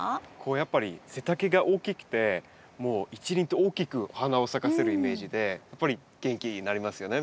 やっぱり背丈が大きくてもう一輪と大きく花を咲かせるイメージでやっぱり元気になりますよね